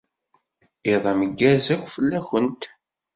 Iḍ ameggaz akk fell-awent.